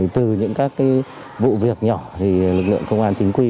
từ những các vụ việc nhỏ lực lượng công an chính quy